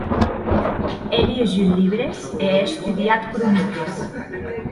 È liejut libres e è estudiat croniques.